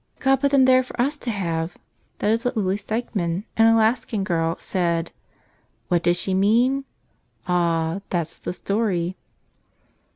OD put them there for us to have!" That is what Lily Stikman, an Alaskan girl, said. What did she mean? Ah! that's the story.